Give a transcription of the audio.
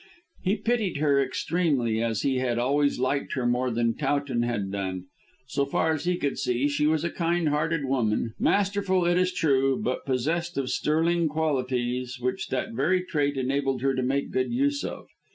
He pitied her extremely, as he had always liked her more than Towton had done. So far as he could see, she was a kind hearted woman: masterful, it is true, but possessed of sterling qualities which that very trait enabled her to make good use of.